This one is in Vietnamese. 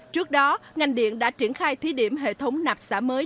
trước đó ngành điện đã triển khai thí điểm hệ thống nạp xã mới